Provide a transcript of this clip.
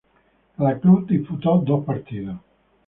Cada club disputó dos partidos.